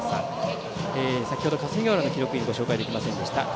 先ほど霞ヶ浦の記録員ご紹介できませんでした。